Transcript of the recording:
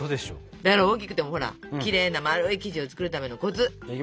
だから大きくてもほらきれいな丸い生地を作るためのコツ！